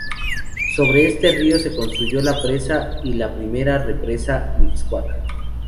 Sobre este río se construyó la Presa y la Primera Represa Mixcoac.